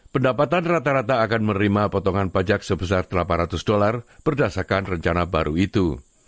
pendapatan rata rata akan menerima potongan pajak sebesar delapan ratus dolar berdasarkan rencana baru itu